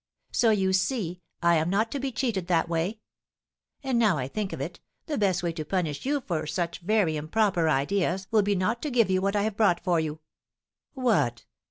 So, you see, I am not to be cheated that way. And now I think of it, the best way to punish you for such very improper ideas will be not to give you what I have brought for you." "What!